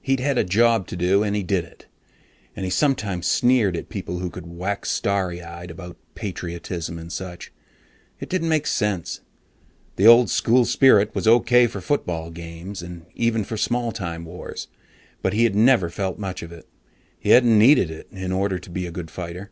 He'd had a job to do, and he did it, and he sometimes sneered at people who could wax starry eyed about patriotism and such. It didn't make sense. The old school spirit was okay for football games, and even for small time wars, but he had never felt much of it. He hadn't needed it in order to be a good fighter.